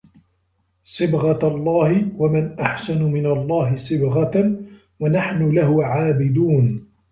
صِبْغَةَ اللَّهِ ۖ وَمَنْ أَحْسَنُ مِنَ اللَّهِ صِبْغَةً ۖ وَنَحْنُ لَهُ عَابِدُونَ